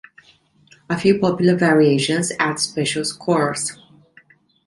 A few popular variations add special scores.